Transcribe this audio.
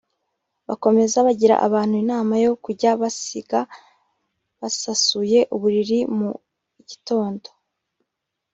Bakomeza bagira abantu inama yo kujya basiga basasuye uburiri mu gitondo